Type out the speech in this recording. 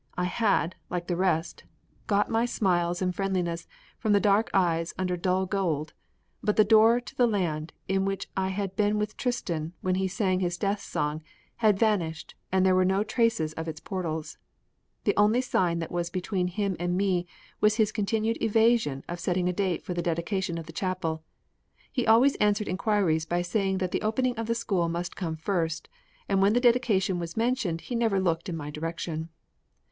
I had, like the rest, got my smiles and friendliness from the dark eyes under dull gold, but the door to the land in which I had been with Tristan when he sang his death song had vanished and there were no traces of its portals. The only sign that was between him and me was his continued evasion of setting a date for the dedication of the chapel. He always answered inquiries by saying that the opening of the school must come first and when the dedication was mentioned he never looked in my direction.